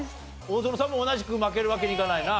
大園さんも同じく負けるわけにいかないな。